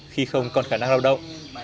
khi không còn khả năng lao động